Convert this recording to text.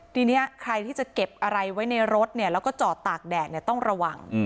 ทีนี้ใครที่จะเก็บอะไรไว้ในรถแล้วก็จอดตากแดดต้องระวัง